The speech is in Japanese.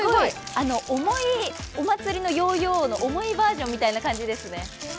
お祭りのヨーヨーの重いバージョンみたいですね。